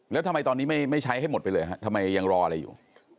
แล้วทำไมตอนนี้ไม่ใช้ให้หมดไปเลยฮะทำไมยังรออะไรอยู่